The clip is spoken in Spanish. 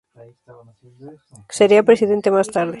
Sería presidente más tarde.